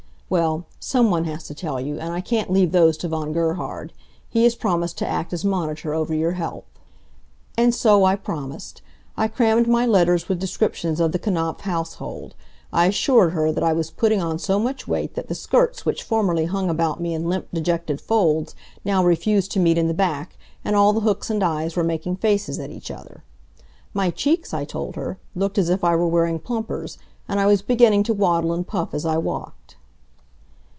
Well, some one has to tell you, and I can't leave those to Von Gerhard. He has promised to act as monitor over your health." And so I promised. I crammed my letters with descriptions of the Knapf household. I assured her that I was putting on so much weight that the skirts which formerly hung about me in limp, dejected folds now refused to meet in the back, and all the hooks and eyes were making faces at each other. My cheeks, I told her, looked as if I were wearing plumpers, and I was beginning to waddle and puff as I walked.